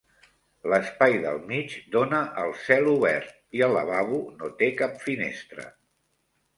L'espai del mig dona al celobert i el lavabo no té cap finestra.